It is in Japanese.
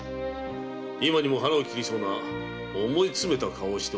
今にも腹を切りそうな思い詰めた顔をしておるぞ。